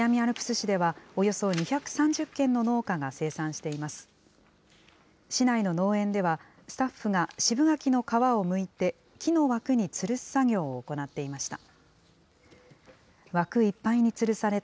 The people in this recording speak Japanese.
市内の農園では、スタッフが渋柿の皮をむいて、木の枠につるす作業を行っていました。